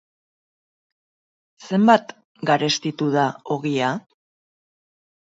Zenbat garestitu da ogia?